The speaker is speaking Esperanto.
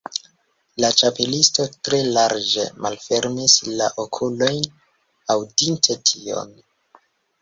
La Ĉapelisto tre larĝe malfermis la okulojn, aŭdinte tion.